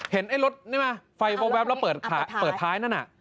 เห็นไอ้รถนี่ไหมไฟโปรแวปแล้วเปิดท้ายนั่นน่ะ